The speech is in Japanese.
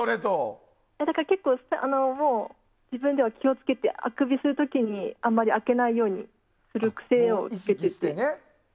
だから結構自分では気を付けてあくびする時にあまり開けないようにする癖をつけています。